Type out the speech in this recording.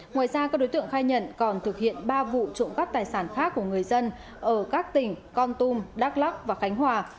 ngoài ra các đối tượng khai nhận còn thực hiện ba vụ trộm cắp tài sản khác của người dân ở các tỉnh con tum đắk lắc và khánh hòa